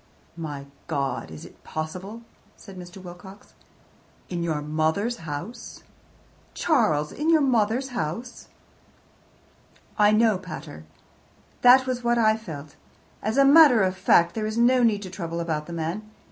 "My God, is it possible?" said Mr. Wilcox. "In your mother's house! Charles, in your mother's house!" "I know, pater. That was what I felt. As a matter of fact, there is no need to trouble about the man.